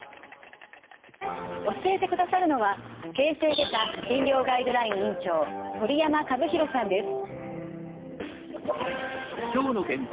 教えてくださるのは形成外科診療ガイドライン委員長鳥山和宏さんです。